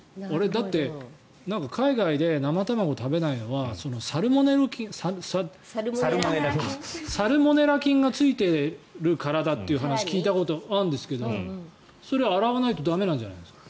だって海外で生卵を食べないのはサルモネラ菌がついてるからだという話を聞いたことあるんですけどそれは洗わないと駄目なんじゃないですか？